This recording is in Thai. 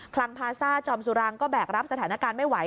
ลังพาซ่าจอมสุรังก็แบกรับสถานการณ์ไม่ไหว